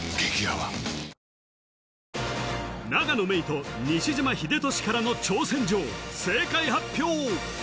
郁と西島秀俊からの挑戦状正解発表！